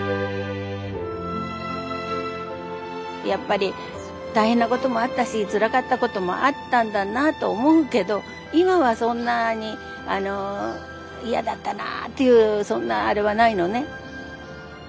やっぱり大変なこともあったしつらかったこともあったんだなと思うけど今はそんなに嫌だったなというそんなあれはないのね。